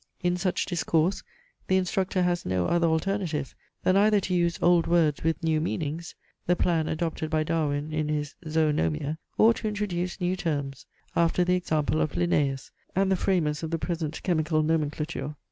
In such discourse the instructor has no other alternative than either to use old words with new meanings (the plan adopted by Darwin in his Zoonomia;) or to introduce new terms, after the example of Linnaeus, and the framers of the present chemical nomenclature.